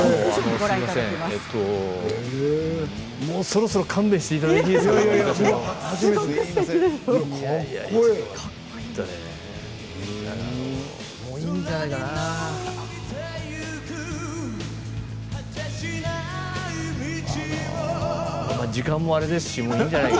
そろそろ勘弁していただいていいでしょうか。